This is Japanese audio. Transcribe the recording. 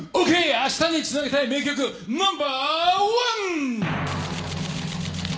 明日につなげたい名曲、ナンバー１。